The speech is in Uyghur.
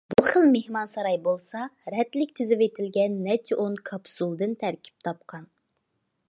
بۇ خىل مېھمانساراي بولسا رەتلىك تىزىۋېتىلگەن نەچچە ئون« كاپسۇل» دىن تەركىب تاپقان.